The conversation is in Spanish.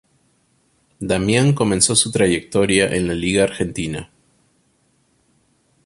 Damián comenzó su trayectoria en la Liga Argentina.